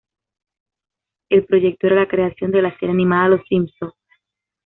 El proyecto era la creación de la serie animada "Los Simpson".